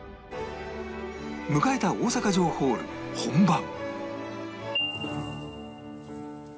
迎えた大阪城ホール本番